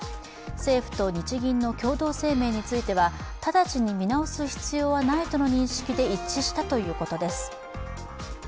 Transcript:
政府と日銀の共同声明については直ちに見直す必要はないとの認識で一致したということです。